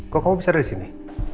kok kamu bisa ada di sini